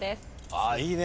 ああいいね。